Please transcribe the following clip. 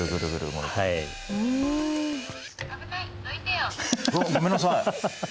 わっごめんなさい。